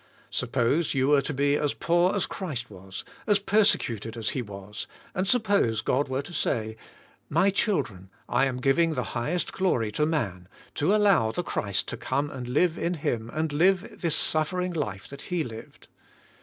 Suppose you were to be as poor as Christ was, as persecuted as He was, and suppose God were to say, My children, I am giving the highest glory to man, to allow the Christ to come and live in him and live this suffering life that He lived.